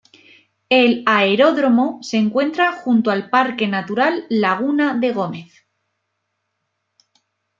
El aeródromo se encuentra junto al Parque Natural Laguna de Gómez.